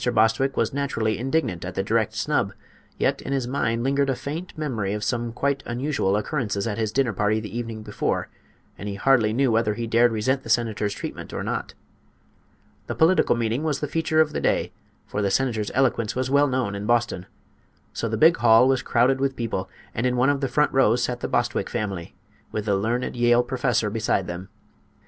Bostwick was naturally indignant at the direct snub; yet in his mind lingered a faint memory of some quite unusual occurrences at his dinner party the evening before, and he hardly knew whether he dared resent the senator's treatment or not. The political meeting was the feature of the day, for the senator's eloquence was well known in Boston. So the big hall was crowded with people, and in one of the front rows sat the Bostwick family, with the learned Yale professor beside them.